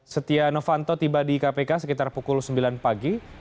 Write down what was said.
setia novanto tiba di kpk sekitar pukul sembilan pagi